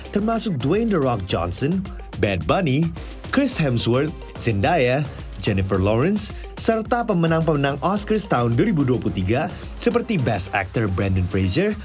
termasuk dwayne the rock johnson bad bunny chris hemsworth zendaya jennifer lawrence serta pemenang pemenang oscars tahun dua ribu dua puluh tiga seperti best actor brandon fraser